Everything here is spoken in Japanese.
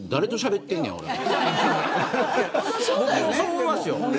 僕もそう思いますよ。